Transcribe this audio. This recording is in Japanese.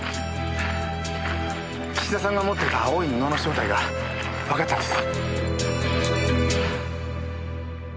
岸田さんが持ってた青い布の正体がわかったんです。